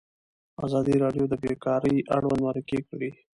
ازادي راډیو د بیکاري اړوند مرکې کړي.